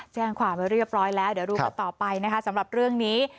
แจ้งความไว้เรียบร้อยแล้วเดี๋ยวดูกันต่อไปนะคะสำหรับเรื่องนี้